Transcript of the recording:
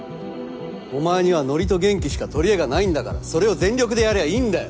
お前にはノリと元気しか取り柄がないんだからそれを全力でやりゃいいんだよ。